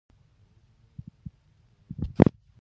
هغوی د نجونو د حق کچه ټیټوله.